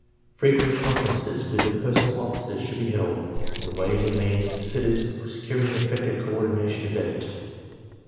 Frequent conferences with the per sonnel officers should be held, and ways and means considered for securing effective coordination of effort.